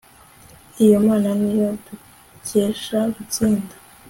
iyo mana ni yo dukesha gutsinda